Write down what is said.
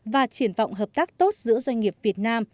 và triển vọng hợp tác tốt giữa doanh nghiệp việt nam